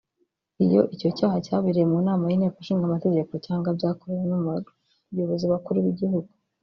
Iyo icyo cyaha cyabereye mu nama y’Inteko Ishinga Amategeko cyangwa byakorewe umwe mu bayobozi bakuru b’Igihugu